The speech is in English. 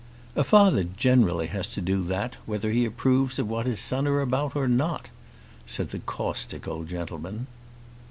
"A father generally has to do that whether he approves of what his son is about or not," said the caustic old gentleman.